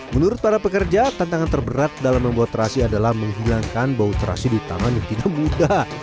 menurut para pekerja tantangan terberat dalam membuat terasi adalah menghilangkan bau terasi di tangan yang tidak mudah